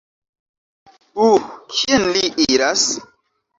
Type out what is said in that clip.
Uh... kien li iras?